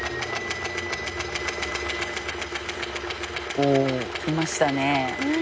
おお来ましたね。